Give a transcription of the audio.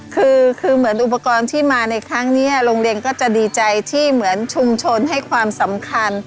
คือคือเหมือนอุปกรณ์ที่มาในครั้งนี้โรงเรียนก็จะดีใจที่เหมือนชุมชนให้ความสำคัญ